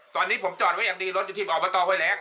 ตอนนี้ผมจอดไว้อย่างดีรถยุทิบออกมาต่อไว้แล้ว